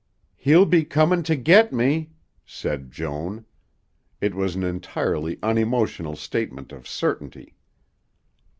"He'll be comin' to get me," said Joan. It was an entirely unemotional statement of certainty.